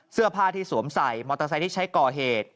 เสื้อผ้าที่สวมใส่มอเตอร์ไซค์ที่ใช้ก่อเหตุ